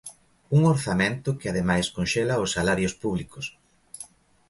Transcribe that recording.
Un orzamento que ademais conxela os salarios públicos.